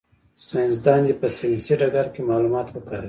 ساینس دان دي په ساینسي ډګر کي معلومات وکاروي.